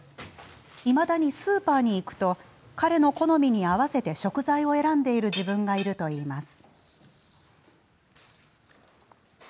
いまだにスーパーに行くと彼の好みに合わせて食材を選んでいる自分がいるといいます。